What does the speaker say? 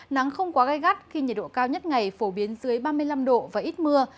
nắng không quá gai gắt khi nhiệt độ cao nhất ngày phổ biến dưới ba mươi năm độ và ít mưa